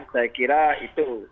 saya kira itu